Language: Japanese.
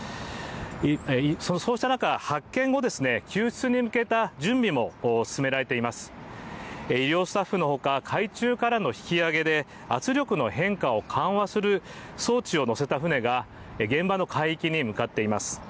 そうした中、発見後、救出に向けた準備も進められています、医療スタッフのほか海中からの引き上げで圧力の変化を緩和する装置を載せた船が現場の海域に向かっています。